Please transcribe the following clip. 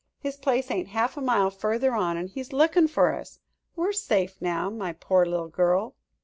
His place ain't half a mile further on, an' he's lookin' fer us. We're safe now, my poor little girl."